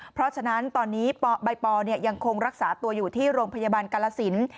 เพราะฉะนั้นตอนนี้ใบปอยังคงรักษาตัวอยู่ที่โรงพยาบาลกาลสิน